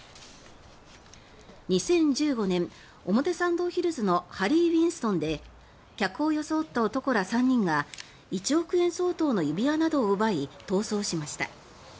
２０１５年、表参道ヒルズのハリー・ウィンストンで客を装った男ら３人が１億円相当の指輪などを奪い逃走しました。